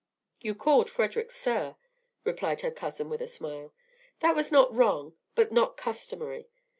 "You called Frederic 'sir,'" replied her cousin, with a smile. "That was not wrong, but not customary.